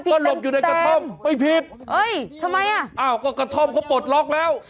ก็หลบอยู่ในกระท่อมไม่ผิดเอ้ยทำไมอ่ะอ้าวก็กระท่อมเขาปลดล็อกแล้ว